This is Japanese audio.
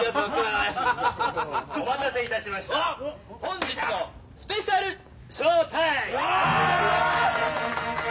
お待たせいたしました本日のスペシャルショータイム！